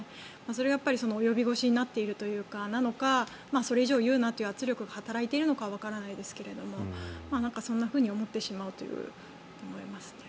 それはやっぱり及び腰になっているからなのかそれ以上言うなという圧力が働いているのかはわからないですけどそんなふうに思ってしまいますね。